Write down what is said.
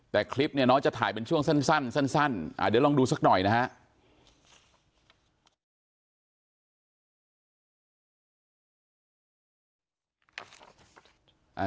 แต่คลิปเนี่ยน้องจะถ่ายเป็นช่วงสั้นเดี๋ยวลองดูสักหน่อยนะฮะ